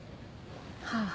はあ。